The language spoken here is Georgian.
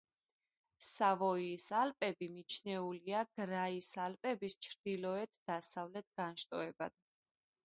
სავოიის ალპები მიჩნეულია გრაის ალპების ჩრდილოეთ-დასავლეთ განშტოებად.